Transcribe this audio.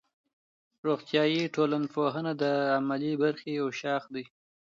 روغتیایی ټولنپوهنه د عملي برخې یو شاخ دی.